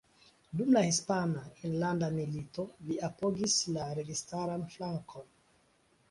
Dum la Hispana Enlanda Milito li apogis la registaran flankon.